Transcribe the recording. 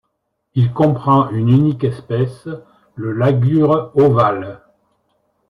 Il comprend une unique espèce, le Lagure ovale.